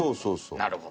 なるほど。